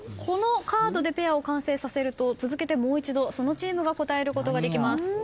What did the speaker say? このカードでペアを完成させると続けてもう一度そのチームが答えることができます。